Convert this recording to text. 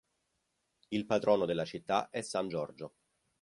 Il patrono della città è San Giorgio.